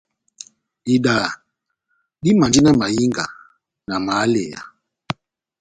Idaha dimandi na mahinga, na mahaleya.